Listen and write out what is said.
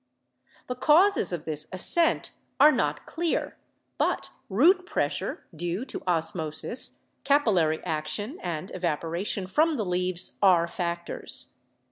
The causes of this ascent are not clear, but root pressure due to osmosis, capillary action and evaporation from the leaves are factors.